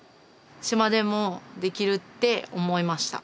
島でもできるって思いました。